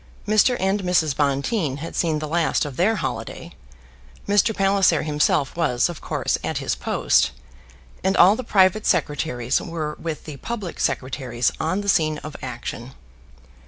Mr. and Mrs. Bonteen had seen the last of their holiday; Mr. Palliser himself was, of course, at his post; and all the private secretaries were with the public secretaries on the scene of action.